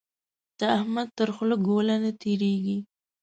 د احمد تر خوله ګوله نه تېرېږي.